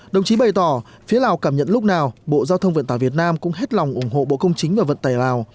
đồng chí bày tỏ phía lào cảm nhận lúc nào bộ giao thông vận tải việt nam cũng hết lòng ủng hộ bộ công chính và vận tải lào